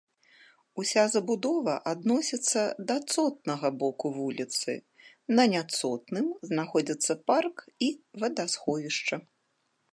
Уся забудова адносіцца да цотнага боку вуліцы, на няцотным знаходзяцца парк і вадасховішча.